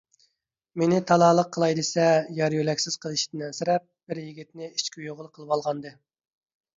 مېنى تالالىق قىلاي دېسە، يار - يۆلەكسىز قېلىشىدىن ئەنسىرەپ، بىر يىگىتنى ئىچ كۈيئوغۇل قىلىۋالغانىدى.